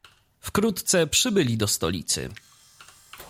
"Wkrótce przybyli do stolicy."